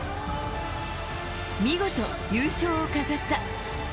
見事、優勝を飾った。